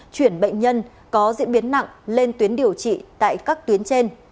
chuyển bệnh nhân có diễn biến nặng lên tuyến điều trị tại các tuyến trên